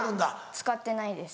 使ってないです。